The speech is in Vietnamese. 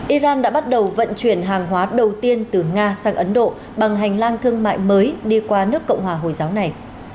iran đã bắt đầu vận chuyển hàng hóa đầu tiên từ nga sang ấn độ bằng hành lang thương mại mới đi qua nước cộng hòa hồi giáo này